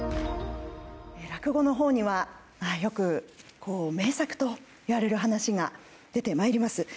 落語のほうにはよく名作といわれる話が出てまいります。